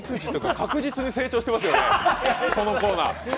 確実に成長していますよね、このコーナー。